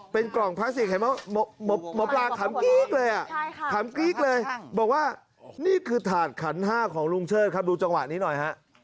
พ่อบอกว่าพี่บุญชาเนี่ย